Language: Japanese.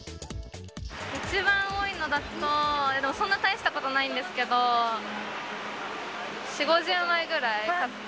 一番多いのだと、そんな大したことないんですけど、４、５０枚ぐらい買った。